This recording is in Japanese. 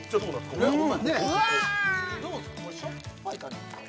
ここどうですかしょっぱい感じですか？